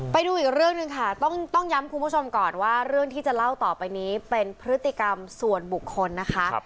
ไปดูอีกเรื่องหนึ่งค่ะต้องย้ำคุณผู้ชมก่อนว่าเรื่องที่จะเล่าต่อไปนี้เป็นพฤติกรรมส่วนบุคคลนะคะ